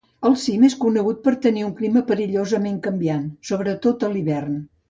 El cim és conegut per tenir un clima perillosament canviant, sobretot a l'hivern.